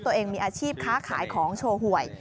ตัวเองมีอาชีพค้าขายของโชว์หวย